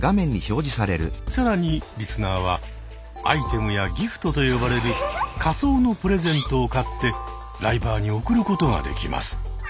更にリスナーは「アイテム」や「ギフト」と呼ばれる仮想のプレゼントを買ってライバーに贈ることができます。